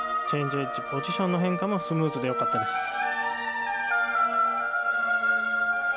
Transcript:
チェンジエッジポジションの変化もスムーズでよかったです。